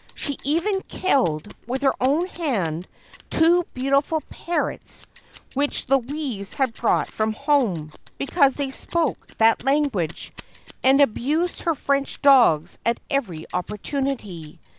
She even killed, with her own hand, two beautiful parrots which Louise had brought from home, because they spoke that language, and abused her French dogs at every oppor tunity.